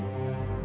aku mau ke rumah